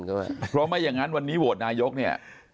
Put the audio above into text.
เพราะไม่อย่างนั้นวันนี้โหวตนายกเนี่ย